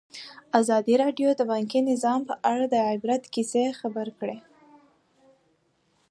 ازادي راډیو د بانکي نظام په اړه د عبرت کیسې خبر کړي.